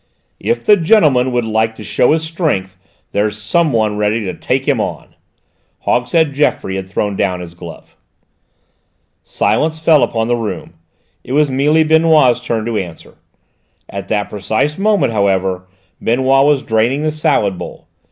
"If the gentleman would like to show his strength there's someone ready to take him on." Hogshead Geoffroy had thrown down his glove! Silence fell upon the room. It was Mealy Benoît's turn to answer. At that precise moment, however, Benoît was draining the salad bowl.